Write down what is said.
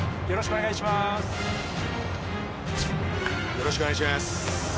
よろしくお願いします。